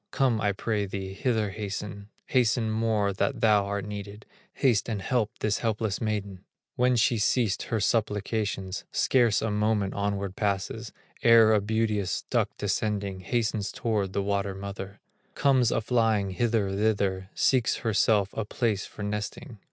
Come I pray thee, hither hasten, Hasten more that thou art needed, Haste and help this helpless maiden!" When she ceased her supplications, Scarce a moment onward passes, Ere a beauteous duck descending, Hastens toward the water mother, Comes a flying hither, thither, Seeks herself a place for nesting.